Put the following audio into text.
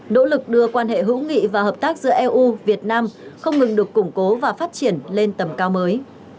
nỗ lực đưa quan hệ hữu nghị và hợp tác giữa eu việt nam không ngừng được củng cố và phát triển lên tầm cao mới